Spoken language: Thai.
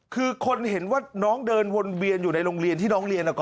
คือคนเห็นว่าน้องเดินวนเวียนอยู่ในโรงเรียนที่น้องเรียน